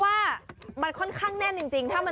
ว่ามันค่อนข้างแน่นจริง